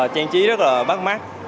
trang trí rất là bắt mắt